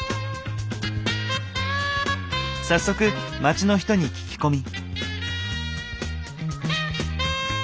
早速街の人に聞き込み。